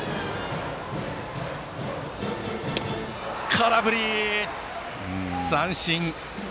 空振り三振！